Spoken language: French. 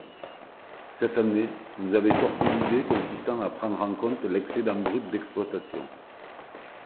Cette année, vous avez sorti l’idée consistant à prendre en compte l’excédent brut d’exploitation.